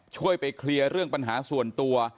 ช่วยไปเคลียร์เรื่องปัญหาส่วนตัว